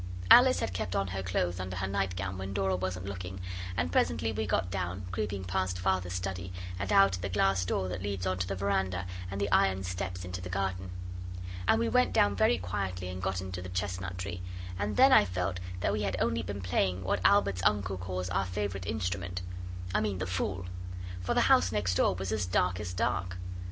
Alice had kept on her clothes under her nightgown when Dora wasn't looking, and presently we got down, creeping past Father's study, and out at the glass door that leads on to the veranda and the iron steps into the garden. And we went down very quietly, and got into the chestnut tree; and then I felt that we had only been playing what Albert's uncle calls our favourite instrument I mean the Fool. For the house next door was as dark as dark.